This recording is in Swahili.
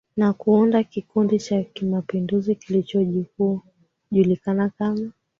Na kuunda kikundi cha kimapinduzi kilichojulikana kama